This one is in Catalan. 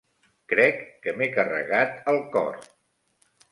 Crec que m'he carregat el cor.